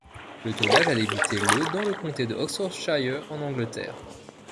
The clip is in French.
Le tournage a débuté le dans le comté de Oxfordshire, en Angleterre.